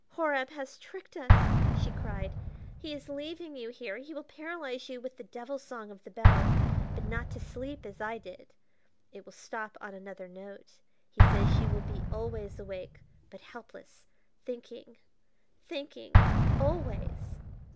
"Horab has tricked us," she cried; "he is leaving you here. He will paralyze you with the devil song of the bell, but not to sleep as I did: it will stop on another note. He says you will be always awake, but helpless thinking thinking always!"